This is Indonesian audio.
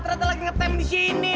ternyata lagi ngetem di sini